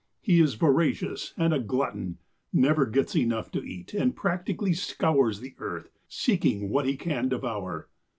He is voracious, and a glutton, never gets enough to eat, and practically scours the earth, ''seeking what he can devour."